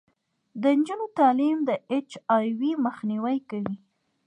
د نجونو تعلیم د اچ آی وي مخنیوی کوي.